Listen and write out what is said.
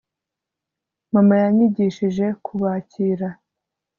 mama yanyigishije kubakira